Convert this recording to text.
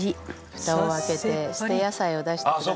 ふたを開けて捨て野菜を出してください。